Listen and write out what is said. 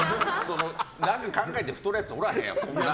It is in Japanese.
何か考えて太るやつおらへんやん。